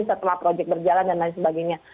setelah proyek berjalan dan lain sebagainya